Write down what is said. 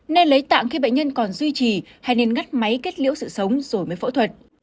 nên lấy tạng khi bệnh nhân còn duy trì hay nên ngắt máy kết liễu sự sống rồi mới phẫu thuật